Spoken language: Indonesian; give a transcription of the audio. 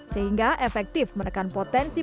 sehingga efektif menekan potensi